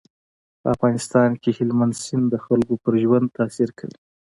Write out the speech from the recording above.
په افغانستان کې هلمند سیند د خلکو په ژوند تاثیر کوي.